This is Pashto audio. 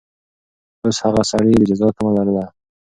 اوس هغه سړي د جزا تمه لرله.